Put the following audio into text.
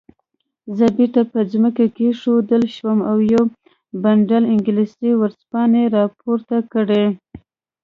زه بیرته په ځمکه کېښودل شوم او یو بنډل انګلیسي ورځپاڼې راپورته کړې.